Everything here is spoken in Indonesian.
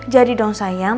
jadi dong sayang